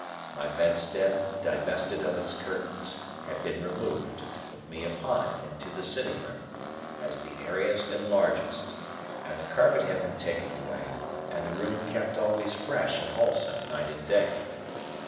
My bedstead, divested of its curtains, had been removed, with me upon it, into the sitting room, as the airiest and largest, and the carpet had been taken away, and the room kept always fresh and wholesome night and day.